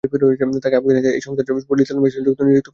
তাকে আফগানিস্তানে এই সংস্থার পরিচালিত মিশনে নিযুক্ত করা হয়েছিল।